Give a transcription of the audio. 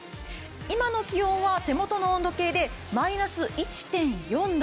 今の気温は手元の温度計でマイナス１．４度。